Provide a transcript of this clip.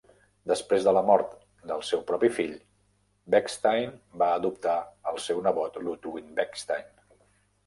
Després de la mort del seu propi fill, Bechstein va adoptar el seu nebot Ludwig Bechstein.